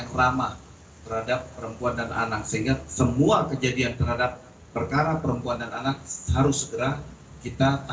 kami juga melaksanakan penyelidikan dari pores tamalangkota